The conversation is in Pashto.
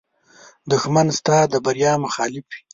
دښمن ستا د بریا مخالف وي